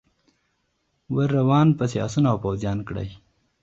ور روان پسي آسونه او پوځیان کړی